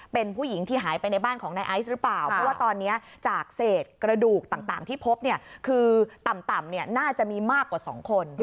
เป็นผู้หญิงที่หายไปในบ้านของนายไอซ์หรือเปล่าเพราะว่าตอนนี้จากเศษกระดูกต่างที่พบเนี่ยคือต่ำเนี่ยน่าจะมีมากกว่า๒คน